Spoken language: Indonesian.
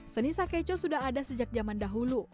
seni sakeco sudah ada sejak zaman dahulu